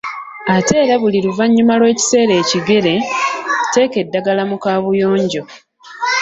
Ate era buli luvanyuma lw‘ekiseera ekigere, teeka eddagala mu kabuyonjo.